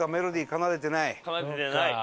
奏でてない。